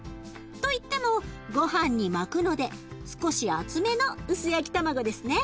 といってもごはんに巻くので少し厚めの薄焼き卵ですね。